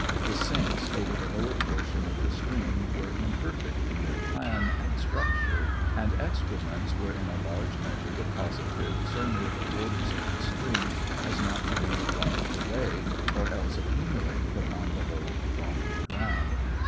The sinks over the lower portion of the stream were imperfect in their plan and structure, and excrements were in a large measure deposited so near the borders of the stream as not to be washed away, or else accumulated upon the low, boggy ground.